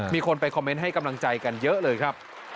มีคนไปคอมเมนต์ให้กำลังใจกันเยอะเลยครับ